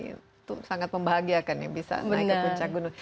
itu sangat membahagiakan ya bisa naik ke puncak gunung